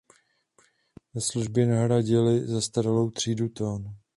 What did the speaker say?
Ve službě nahradily zastaralou třídu "Ton".